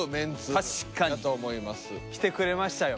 確かに。来てくれましたよ。